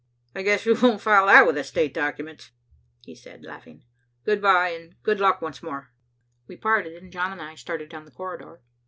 "I guess we won't file that with the state documents," he said laughing. "Good bye, and good luck once more." We parted and John and I started down the corridor.